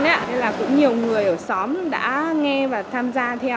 nên là cũng nhiều người ở xóm đã nghe và tham gia theo